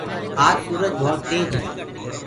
آج سُورج ڀوت تيج هي۔